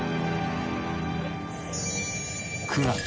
［９月。